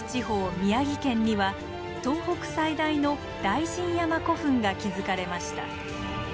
宮城県には東北最大の雷神山古墳が築かれました。